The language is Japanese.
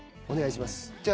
お願いします。